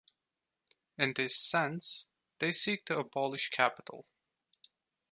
In this sense they seek to abolish capital.